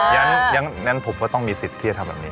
อย่างนั้นผมก็ต้องมีสิทธิ์ที่จะทำแบบนี้